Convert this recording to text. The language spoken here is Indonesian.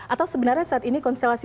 atau sebenarnya saat ini konstelasi